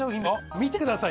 見てください